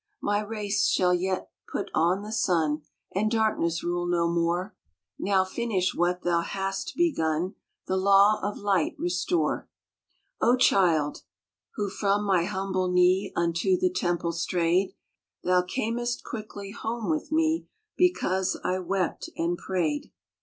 " My race shall yet put on the sun, And darkness rule no more. Now, finish what Thou hast begun, The law of light restore. " O Child, who from my humble knee Unto the Temple strayed, Thou earnest quickly home with me Because I wept and prayed.